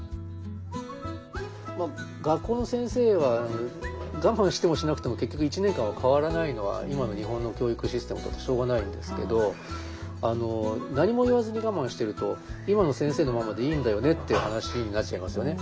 学校の先生はガマンしてもしなくても結局１年間は代わらないのは今の日本の教育システムだとしょうがないんですけど何も言わずにガマンしてると今の先生のままでいいんだよねっていう話になっちゃいますよね。